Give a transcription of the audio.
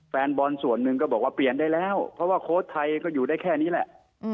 แฟนบอลส่วนหนึ่งก็บอกว่าเปลี่ยนได้แล้วเพราะว่าโค้ชไทยก็อยู่ได้แค่นี้แหละ